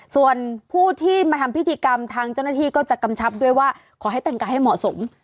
ส่วนผู้ที่มาทำพิธีกรรมทางเจ้าหน้าที่ก็จะกำชับด้วยว่าขอให้แต่งกายให้เหมาะสม